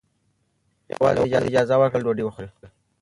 یوازې یې اجازه ورکړه چې خپله ډوډۍ وخوري.